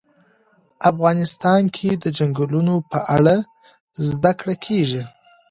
افغانستان کې د چنګلونه په اړه زده کړه کېږي.